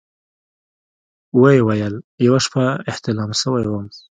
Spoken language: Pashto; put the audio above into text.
ويې ويل يوه شپه احتلام سوى وم.